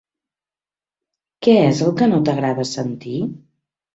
Què és el que no t'agrada sentir?